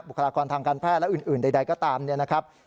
คลากรทางการแพทย์และอื่นใดก็ตามเนี่ยนะครับ